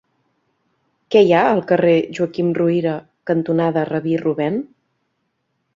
Què hi ha al carrer Joaquim Ruyra cantonada Rabí Rubèn?